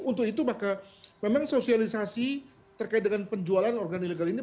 untuk itu maka memang sosialisasi terkait dengan penjualan organ ilegal ini